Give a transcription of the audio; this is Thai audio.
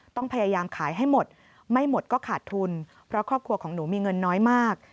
ต้องพยายามขายให้หมดไม่หมดก็ขาดทุนเพราะครอบครัวของหนูมีเงินน้อยมาก